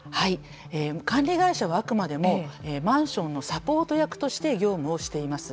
管理会社はあくまでもマンションのサポート役として業務をしています。